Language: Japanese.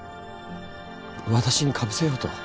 私にかぶせようと？